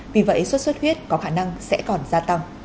vì vậy sốt xuất huyết có khả năng sẽ còn gia tăng